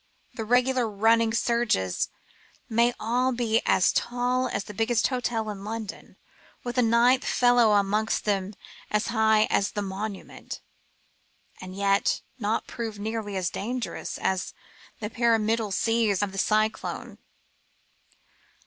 The regular running surges may all be as tall as the biggest hotel in London, with a ninth fellow amongst them as high as the Monument, and yet not prove nearly so dangerous as the pyramidal seas of the cyclone.